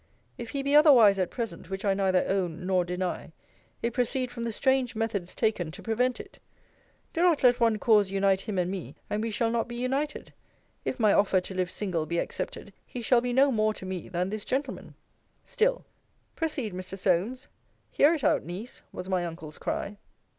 If he be otherwise at present, which I neither own, nor deny, it proceed from the strange methods taken to prevent it. Do not let one cause unite him and me, and we shall not be united. If my offer to live single be accepted, he shall be no more to me than this gentleman. Still Proceed, Mr. Solmes Hear it out, Niece, was my uncle's cry.